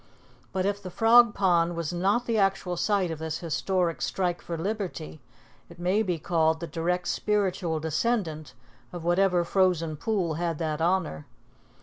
But if the Frog Pond was not the actual site of this historic strike for liberty, it may be called the direct spiritual descendant of whatever frozen pool had that honor.